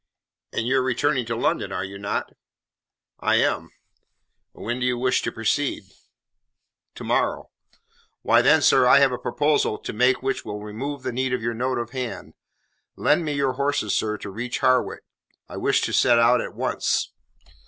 "And you are returning to London, are you not?" "I am." "When do you wish to proceed?" "To morrow." "Why, then, sir, I have a proposal to make which will remove the need of your note of hand. Lend me your horses, sir, to reach Harwich. I wish to set out at once!"